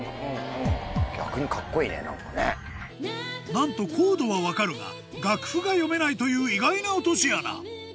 なんとコードは分かるが楽譜が読めないという意外な落とし穴